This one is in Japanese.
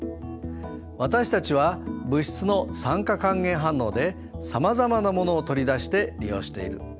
私たちは物質の酸化還元反応でさまざまなものを取り出して利用している。